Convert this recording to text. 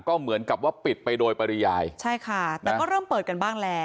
ก็เหมือนกับว่าปิดไปโดยปริยายใช่ค่ะแต่ก็เริ่มเปิดกันบ้างแล้ว